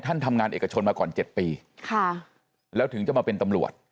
ท่านทำงานเอกชนมาก่อน๗ปีค่ะแล้วถึงจะมาเป็นตำรวจ